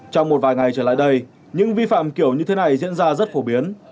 trong một vài ngày trở lại đây những vi phạm kiểu như thế này diễn ra rất phổ biến